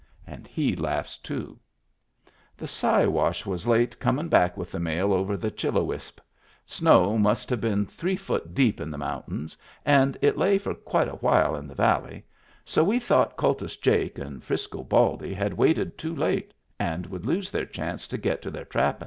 And he laughs, too. The Siwash was late comin' back with the mail over the Chillowisp. Snow must have been three foot deep in the mountains, and it lay for quite a while in the valley, so we thought Kultus Jake and Frisco Baldy had waited too late and would lose their chance to get to their trappin'.